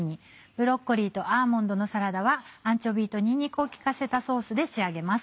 「ブロッコリーとアーモンドのサラダ」はアンチョビーとにんにくを利かせたソースで仕上げます。